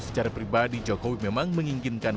secara pribadi jokowi memang menginginkan